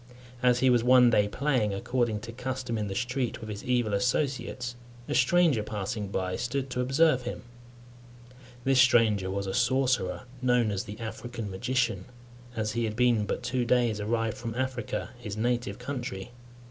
As he was one day playing, according to custom, in the street, with his evil associates, a stranger passing by stood to observe him. This stranger was a sorcerer, known as the African magician, as he had been but two days arrived from Africa, his native country.